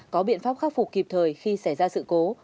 có biện pháp khắc phục kịp thời khi xảy ra sự cố